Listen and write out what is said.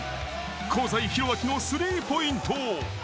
香西宏昭のスリーポイント。